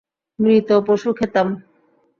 মৃত পশু খেতাম।